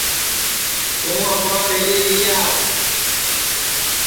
توں اپٹؔا ٻیلی لی آو